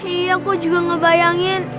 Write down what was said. iya aku juga ngebayangin